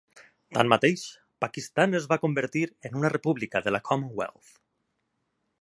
Tanmateix, Pakistan es va convertir en una república de la Commonwealth.